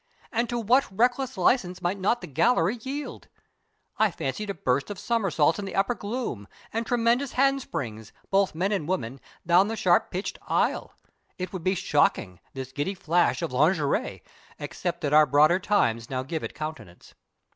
And to what reckless license might not the gallery yield? I fancied a burst of somersaults in the upper gloom, and tremendous handsprings both men and women down the sharp pitched aisle. It would be shocking this giddy flash of lingerie except that our broader times now give it countenance.